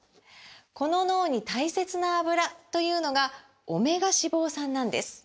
この脳に大切なアブラというのがオメガ脂肪酸なんです！